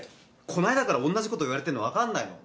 この間からおんなじこと言われてんの分かんないの？